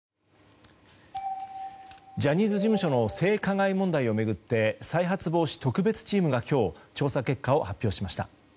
ジャニーズ事務所の性加害問題を巡って再発防止特別チームが今日、調査結果を発表しました。